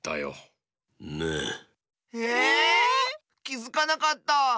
きづかなかった。